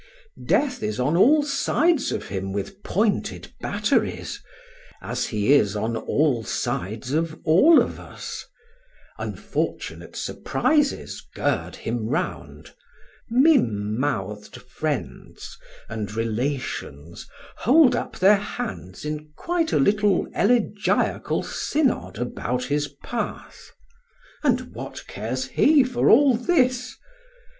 Death is on all sides of him with pointed batteries, as he is on all sides of all of us; unfortunate surprises gird him round; mim mouthed friends and relations hold up their hands in quite a little elegiacal synod about his path: and what cares he for all this?